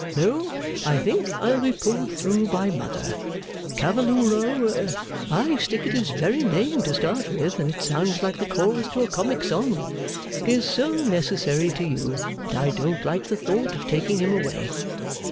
No, I think I'll be pulled through by Mother. Cavallooro (I stick at his very name to start with, and it sounds like the chorus to a comic song) is so necessary to you, that I don't like the thought of taking him away.